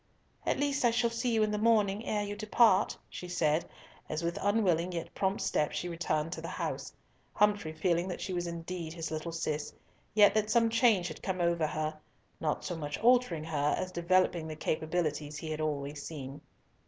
"At least I shall see you in the morning, ere you depart," she said, as with unwilling yet prompt steps she returned to the house, Humfrey feeling that she was indeed his little Cis, yet that some change had come over her, not so much altering her, as developing the capabilities he had always seen.